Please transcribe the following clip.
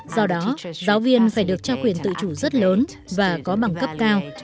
do đó giáo viên phải được trao quyền tự chủ rất lớn và có bằng cấp cao